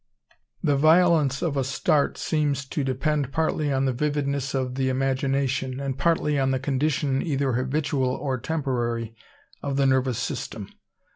The violence of a start seems to depend partly on the vividness of the imagination, and partly on the condition, either habitual or temporary, of the nervous system.